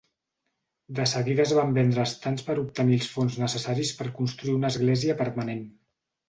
De seguida es van vendre estands per obtenir els fons necessaris per construir una església permanent.